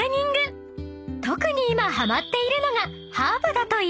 ［特に今ハマっているのが］